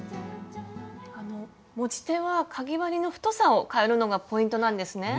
持ち手はかぎ針の太さをかえるのがポイントなんですね。